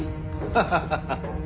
ハハハハハ！